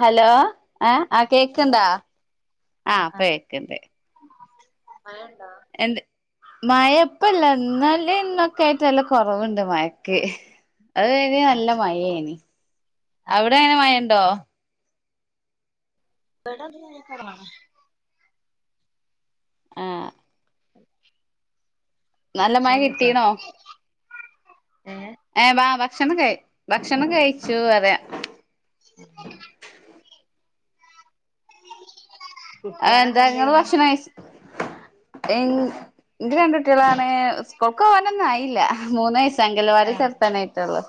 Hello ഏഹ് ആഹ് hello കേക്ക്ണ്ട ആഹ് ഇപ്പ കേക്ക്ണ്ട് മഴയുണ്ടോ? മയയിപ്പില്ല ഇന്നലെ ഇന്നൊക്കെ ആയിട്ട് നല്ല കുറവുണ്ട് മയക്ക് അത് കഴിഞ്ഞ് നല്ല ആഹ് മയയായിനി. ആഹ് അവിടെ എങ്ങനെ മയയുണ്ടോ ഇവിടാ [inaudible] പറയണ കാണാം ആഹ് നല്ല മഴ ഭക്ഷണം കഴിച്ചോ കിട്ടീണോ ഏഹ് വാ വാ ഭക്ഷണം ക ഭക്ഷണം കയിച്ചു പറയാ ഉം [inaudible] എ എന്താ കുട്ട്യാളൊക്കെ നിങ്ങള് എന്തെയ്യ്ണ് ഭക്ഷണം കയിച് എൻ ക്ക് രണ്ടു ട്ട്യാളാണ് സ്ക്കൂൾക്കോവനൊന്നു ആയില്ല മൂന്ന്യ്സ് അങ്കലവാടി ആഹ് ചേർത്താനായിട്ടൊളളു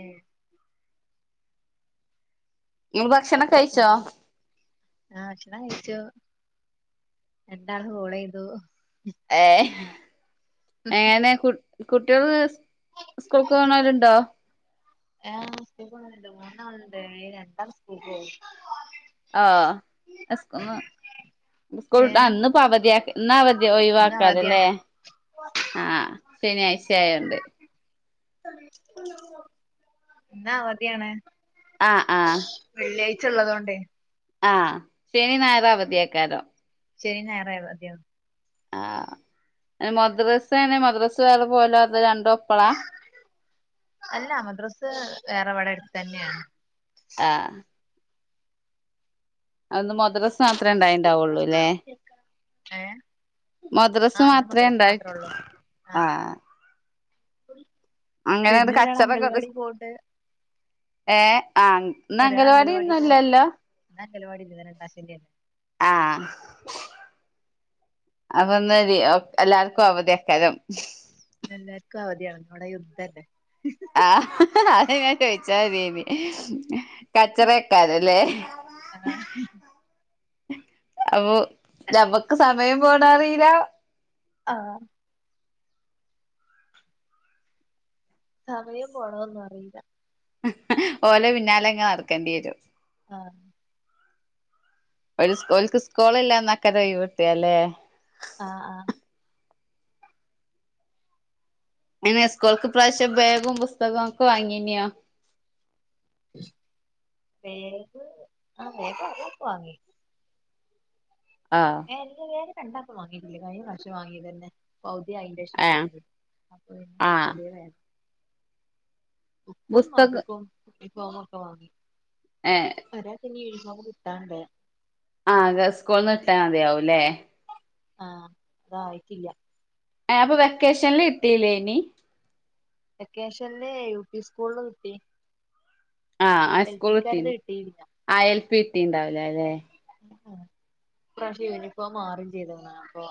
ആഹ് ഇ [unintelligible] ആ ഭക്ഷണം കഴിച്ചു രണ്ടാൾക്ക് കോളെയ്തു ഏഹ് ഏനെ കു കുട്ട്യാള് സ്കൂൾക്കോണോല്ണ്ടോ ആ സ്‌ക്കൂൾക്കോണോല്ണ്ട് മൂന്നാള്ണ്ട് അയ്ല് രണ്ടാള് സ്ക്കൂൾക്കോവും ആ സ് ഇന്ന് സ്ക്കൂൾട്ട ആ ഏഹ് ഇന്ന് പവധ്യാ ഇന്ന് അവധി ഇന്ന് ഒഴിവാക്കാരല്ലേ അവധിയാണ് ആ ആ ശനിയാഴ്ച ആയോണ്ട് ഇന്ന് അവധ്യാണ് ആ ആ ച്ചള്ളതോണ്ടെ ആ ശനി ഞായറാവത്യേക്കാരം ശനിഞായറ് അവധ്യാണ് ആ മദ്രസ ന്നെ മദ്രസ് വേറെ പോല അപ്പം രണ്ടോപ് അല്ല മദ്രസ് വേറെ വടെ അട് തന്നെണ് ആ അന്ന് മദ്രസ് മാത്രേ ഉണ്ടായിണ്ടാവുള്ളുല്ലേ ഏ ആ മദ്രസ് ഇന്ന് മാത്രേ മദ്രസ ഇണ്ടയി മാത്രേ ഉള്ളൂ ആ [inaudible] പിന്നെ ഒരാള് അങ്കൽവാടി പോൺണ്ട് ഏ ആ ഇന്നങ്കലവാടിയൊന്നുല്ലല്ലോ അങ്കലവാടില്ല ഇന്ന് രണ്ടാ ശനിയല്ലേ ആ അപ്പന്ന് ദിഒഎല്ലാർക്കു അവധേക്കാരം എല്ലാർക്കു അവധ്യാണ് ഇവടെ യുദ്ധല്ലേ ആ അത് ഞാൻ ചോയിച്ചാ വെരേനി കച്ചറ ക്കാരല്ലേ ഓ ഞമ്മക്ക് സ മയം പോണ റീല ആ സമയം പോണതൊന്നു അറീല ഓലേ പിന്നാലെ ഇങ്ങ് നടക്കേണ്ടി വരും ആ ഓല് ഓല്ക് സ്കൂള് ഇല്ലാന്നക്കരെ ഒഴിവ് കിട്ടിയെ ല്ലേ ആ ആ ഇനി സ്കൂൾക്ക് ഇപ്രാവശ്യം ബാഗും പുസ്തകവും ഒക്കെ വാങ്ങീന്യോ ബേഗ് ആ ബേഗതൊക്കെ വാങ്ങി ആഹ് എല്ലല്ലാരും രണ്ടാക്കും വാങ്ങീട്ടില്ല. കഴിഞ്ഞ പ്രാവശ്യം വാങ്ങീതന്നെ പൗ അയിൻ്റേഷം ഏഹ് വാങ്ങി. അപ്പൊ വേണം ആഹ് പുതിയത് വേണം ബുക്കും നോട്ട് പുസ്തകം ബുക്കും ഉനി ഫോമൊക്കെ വാങ്ങി ഏഹ് [unintelligible] അത് കിട്ടാണ്ടെ ആ അത് സ്കൂൾന്ന് കിട്ടാ മതിയാവുംല്ലേ ആ അതായിട്ടില്ല ആപ്പൊ വെക്കേഷൻല് കിട്ടില്ലേനി വെക്കേഷൻല് യു പി സ്കൂളിൽ കിട്ടി ആ ആ എൽ സ്കൂൾ കിട്ടി. പിക്കാരത് കിട്ടിയില്ല ആ എൽ പി കിട്ടീണ്ടാവുലെ ലേ ഇപ്രാവശ്യം യൂണിഫോം മാറേം ചെയ്തു. അപ്പൊ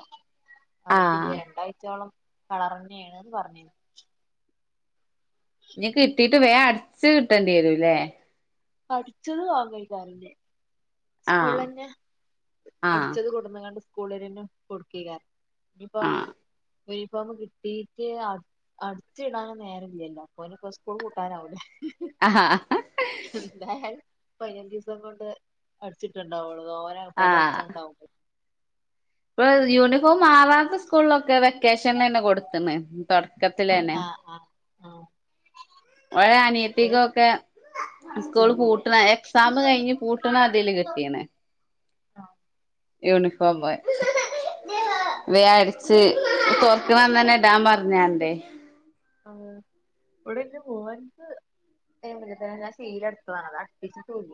ആയിട്ടില്ല. ആഹ് രണ്ടാഴ്ചയോളം കളറന്നെണ്ന്ന് പർഞ്ഞു ഇനി കിട്ടീട്ട് വേം അട്ച്ച് കിട്ടേണ്ടി വരൂല്ലേ അട്ച്ചത് വാങ്ങയ്ക്കരം സ്കൂൾ ആഹ് ലന്നെ ആഹ് അടിച്ചത് കൊട്ന്ന് ക്കാണ്ട് സ്കൂളാരന്നെ കൊട്ക്കേക്കാരം ഇൻപ്പോ ആഹ് യൂണിഫോമ് കിട്ടീട്ട് അട് അടിച്ച് ഇടാന് നേരം ഇല്ലല്ലോ. അപ്പോന് സ്കൂൾ പൂട്ടാനാവൂലേ. ആഹ് എന്തായാലും പയിനഞ്ചീസം കൊണ്ട് അടിച്ചിട്ടുണ്ടാവോളൂ ന്തോരാൾക്കാര്ടെ അടിച്ചാനുണ്ടാവൂലേ ഇപ്പ യൂണിഫോം മാറാത്ത സ്കൂളിലൊക്കെ വെക്കേ ക്കേഷൻ തന്നെ കൊടുത്തന്ന് തുടക്കത്തിലെന്നെ. ആഹ് ആഹ് ആഹ് ഒരെ ഇവരെ അനിയത്തിക്കൊക്കെ സ്കൂൾ ആഹ് പൂട്ടണ എക്സാം കഴിഞ്ഞ് പൂട്ടണ അതില് കിട്ടിയണ് യൂണിഫോമ് വേം അടിച്ച് തൊർക്ക്‌ ണന്നന്നെ ഇടാൻ പറഞ്ഞന്റെ- ആ ഇവിടെ ന്റെ മോന്ക് ഞാൻ ശീലട്തതാണ് അത് അട്പ്പിച്ചുട്ടൂല്ല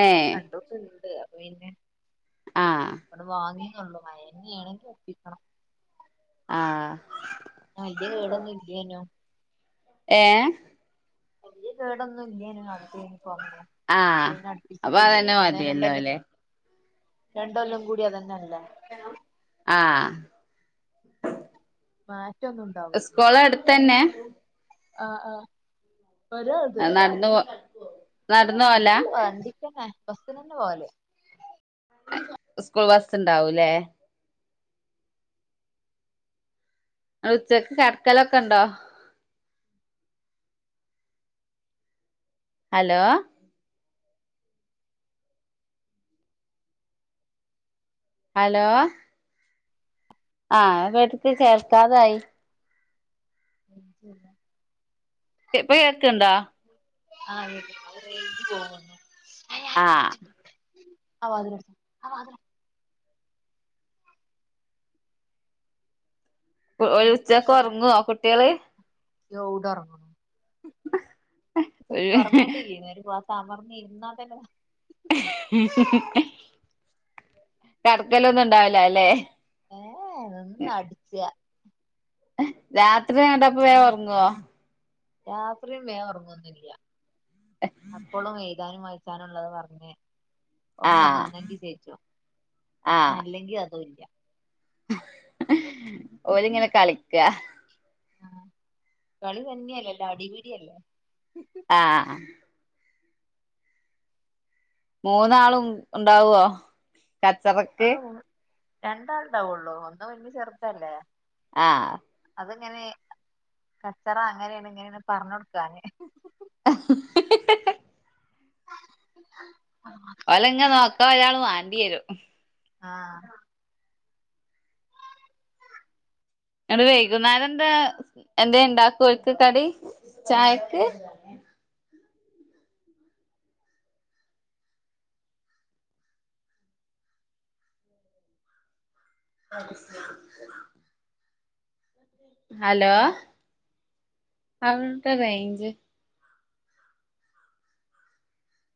ഏഹ് രണ്ടൂട്ടം ഇണ്ട് പിന്നെ ആഹ് വടെ വാങ്ങി ള്ളൂ മയന്നേണെങ്കിൽ ഒപ്പിക്കണം ആഹ് വല്യ കേടൊന്നും ഇല്യേനും ഏ വല്യ കേടൊന്നും ഇല്ല്യേനും ആദ്യത്തേന് അങ്ങനെ അപ്പൊ ആഹ് പിന്നെ അപ്പൊ അടുപ്പിച്ചിട്ടില്ലേ അതന്നെ ഇനിപ്പെത്യാലും രണ്ടൊല്ലം മതിയല്ലോല്ലേ രണ്ടൊല്ലം കൂടി അത് തന്നെണ്. ആഹ് മാ സ്കൂളടുത്തന്നെ. ആഹ് ആഹ് ഒരോത് നടന്നു പോ ഏ നടന്നു പോവലാ നടക്കല്ല വ വണ്ടിക്കന്നെ ബസ്ന ന്നെ പോവല് സ്കൂൾ ബസ്സ് ഉണ്ടാവു ലേ ങ്ങള് ഉച്ചക്ക് കടക്കലൊക്കെ ണ്ടോ? ഹലോ ഹലോ ആഹ് [unintelligible] ട്ടക്ക് കേൾക്കാതായി. ഉല്ല ഇപ്പ കേക്ക്ണ്ടാ. ആ കേക്ക് ണ്ട് ആഹ് [unintelligible] ഒരു ഉച്ചക്ക് ഒർങ്ങോ കുട്ടിയേള്. യൗ ഡ ഒറ്ങ്ങണ് ഇപ്പൊർങ്ങണ്ടില്ലേനി ഒരു [unintelligible] തമർന്ന് ഇരുന്നാതെന്നെ കടക്കലൊന്നും ഉണ്ടാവുല ലേ ഏ ഏ നിന്നടിച്ചാ രാത്രി ഏണ്ടാപ്പം വേ ഒറങ്ങോ രാത്രിം വേം ഉറങ്ങൊന്നില്ല അപ്പളും എഴുതാനും വായി ച്ചാനുള്ളത് പർഞ്ഞ് ഒപ്പം ആഹ് നിന്നെങ്കി ചെജ്ജും അല്ലെങ്കിൽ അതു ഇല്ല ഓരിങ്ങനെ കളിക്ക ആഹ കളി തന്നെയല്ലല്ല അടിപിടിയല്ലേ? ആഹ് മൂന്നാളും ഉണ്ടാവുവോ? കച്ച ആ പക്കേ രണ്ടാൾണ്ടാവുള്ളൂ ഒന്ന് വഞ്ഞ് ചെറുതല്ലേ ആഹ അത്ങ്ങനെ കച്ചറ അങ്ങനെയാണ് ഇങ്ങനെെ പറഞ്ഞ കൊടുക്കു അ ഉ ഓലങ്ങ നോക്കാ ഒരാൾ [unintelligible] രു ആഹ ഇടെ വൈകുന്നാല എന്താ എന്താ ഇണ്ടാക്കും ഒക്ക് കടി ചായക്ക് അ ഹലോ അവവിടെ റേഞ്ച്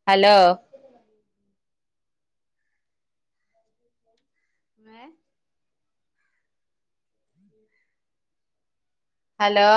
ഹലോ ഹലോ